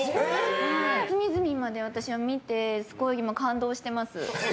隅々まで私は見てすごい今感動してます。